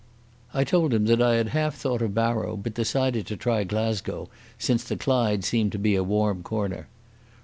I told him that I had half thought of Barrow, but decided to try Glasgow, since the Clyde seemed to be a warm corner.